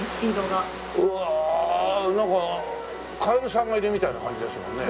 うわあなんかカエルさんがいるみたいな感じですもんね。